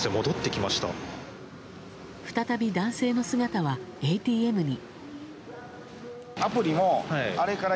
再び男性の姿はＡＴＭに。